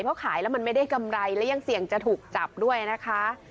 เพราะขายแล้วมันไม่ได้กำไรและยังเสี่ยงจะถูกจับด้วยนะคะ